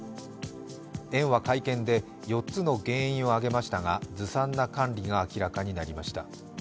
園は会見で４つの原因を挙げましたがずさんな管理が明らかになりました。